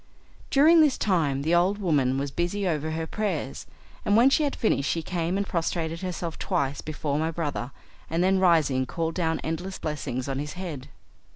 During this time the old woman was busy over her prayers, and when she had finished she came and prostrated herself twice before my brother, and then rising called down endless blessings on his head.